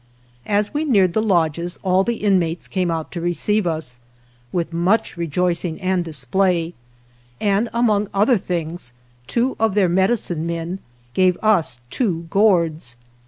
As we neared the lodges all the in mates came out to receive us, with much rejoicing and display, and, among other things, two of their medicine men gave us two gourds.